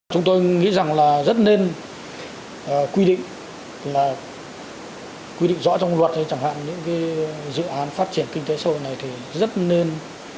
chúng tôi nghĩ rằng là rất nên quy định là quy định rõ trong luật hay chẳng hạn những dự án phát triển kinh tế xã hội này thì rất nên